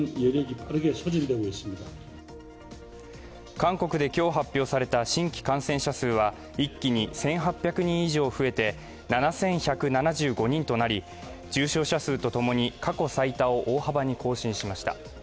韓国で今日発表された新規感染者数は一気に１８００人以上増えて７１７５人となり重症者数とともに過去最多を大幅に更新しました。